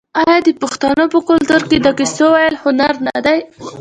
آیا د پښتنو په کلتور کې د کیسو ویل هنر نه دی؟